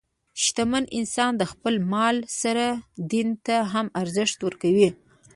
شتمن انسان د خپل مال سره دین ته هم ارزښت ورکوي.